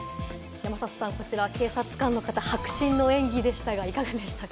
こちら警察官の方、迫真の演技でしたが、いかがでしたか？